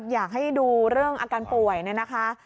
อยากให้ดูเรื่องอาการป่วยเนี่ยนะคะ